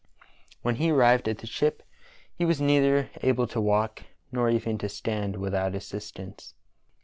When he arrived at the ship he was neither able to walk nor even to stand without assistance.